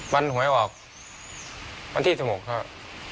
มันหวยออกมันที่สมุกครับ